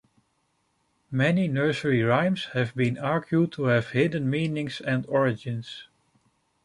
Many nursery rhymes have been argued to have hidden meanings and origins.